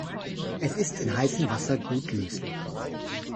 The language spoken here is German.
Es ist in heißem Wasser gut löslich.